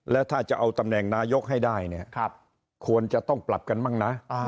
แล้วถ้าจะเอาตำแหน่งนายกให้ได้เนี่ยควรจะต้องปรับกันบ้างนะ